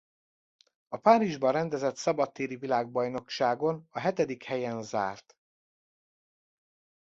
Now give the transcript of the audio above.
A Párizsban rendezett szabadtéri világbajnokságon a hetedik helyen zárt.